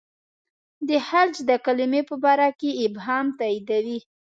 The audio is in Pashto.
د خلج د کلمې په باره کې ابهام تاییدوي.